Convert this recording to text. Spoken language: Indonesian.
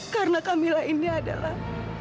karena kamila ini adalah